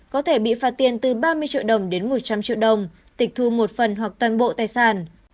có thể bị phạt tiền từ ba mươi triệu đồng đến một trăm linh triệu đồng tịch thu một phần hoặc toàn bộ tài sản